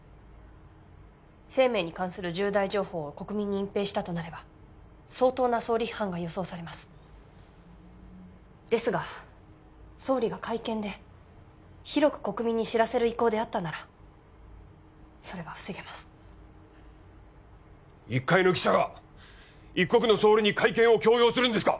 生命に関する重大情報を国民に隠蔽したとなれば相当な総理批判が予想されますですが総理が会見で広く国民に知らせる意向であったならそれは防げます一介の記者が一国の総理に会見を強要するんですか！